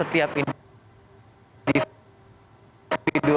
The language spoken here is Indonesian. tapi kita tahu